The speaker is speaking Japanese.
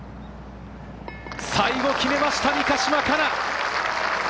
最後決めました、三ヶ島かな。